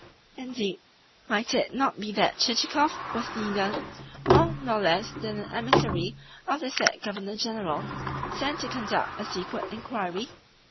Indeed, might it not be that Chichikov was neither more nor less than an emissary of the said Governor General, sent to conduct a secret inquiry?